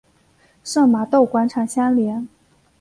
圣玛窦广场相连。